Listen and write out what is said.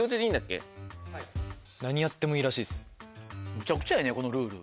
むちゃくちゃやねこのルール。